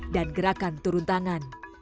dan gerakan turun tangan